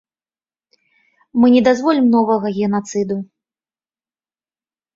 Мы не дазволім новага генацыду.